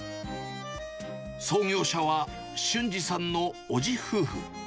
創業者は、俊治さんのおじ夫婦。